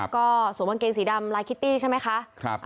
ก็สวมกางเกงสีดำลายคิตตี้ใช่ไหมคะ